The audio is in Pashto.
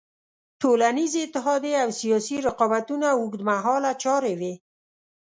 ټولنیزې اتحادیې او سیاسي رقابتونه اوږد مهاله چارې وې.